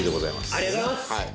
ありがとうございます。